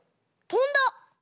とんだ！